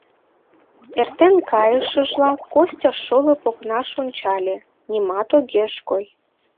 Эртен кайшыжла, Костя шолып окнаш ончале — нимат огеш кой.